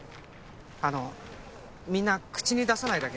あのみんな口に出さないだけで。